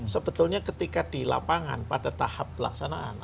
sebetulnya ketika di lapangan pada tahap pelaksanaan